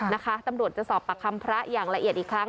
นะคะตำรวจจะสอบปากคำพระอย่างละเอียดอีกครั้ง